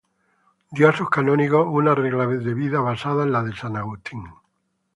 Dio a sus canónigos una regla de vida basada en la de san Agustín.